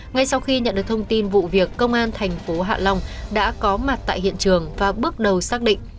ngay sau khi nhận được thông tin vụ việc công an thành phố hạ long đã có mặt tại hiện trường và bước đầu xác định